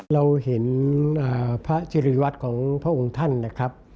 เราเห็นพระจิริวัตรของพระองค์ท่านนะครับ